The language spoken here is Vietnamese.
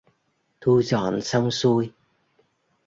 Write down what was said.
Thu dọn xong xuôi